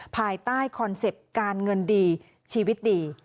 ภายใต้คอนเซ็ปต์การเงินดีชีวิตดี